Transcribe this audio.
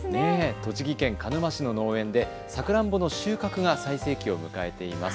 栃木県鹿沼市の農園でサクランボの収穫が最盛期を迎えています。